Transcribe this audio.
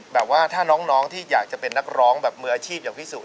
แบบว่าถ้าน้องที่อยากจะเป็นนักร้องแบบมืออาชีพอย่างพี่สุ